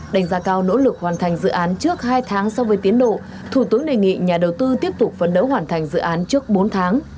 đánh giá cao nỗ lực hoàn thành dự án trước hai tháng so với tiến độ thủ tướng đề nghị nhà đầu tư tiếp tục phấn đấu hoàn thành dự án trước bốn tháng